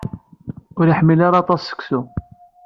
Ur iḥmil ara aṭas seksu.